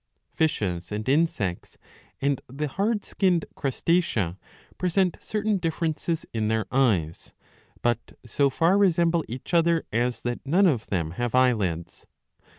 Fishes and Insects and the hard skinned Crustacea present certain differences in their eyes, but so far resemble each other as that none of them have eyelids.'